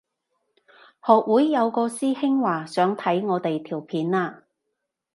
學會有個師兄話想睇我哋條片啊